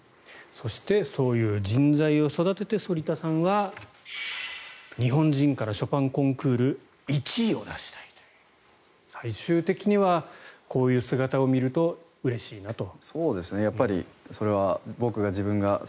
そしてそういう人材を育てて反田さんは日本人からショパンコンクール１位を出したいという最終的にはこういう姿を見るとうれしいなと。